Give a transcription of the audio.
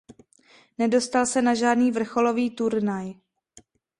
Nedostal se na žádný vrcholový turnaj.